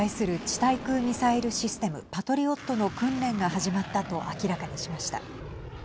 対空ミサイルシステムパトリオットの訓練が始まったと明らかにしました。